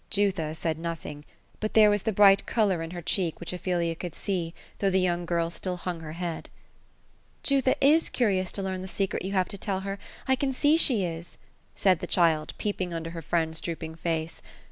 Jutha said nothing; but there was the bright color in her cheek, which Ophelia could sec, though the young girl still hung her head. ^' Jutha is curious to learn the secret you have to tell her : I can see she is (" said the child, peeping under her friend's drooping face.